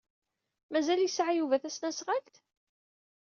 Mazal yesɛa Yuba tasnasɣalt?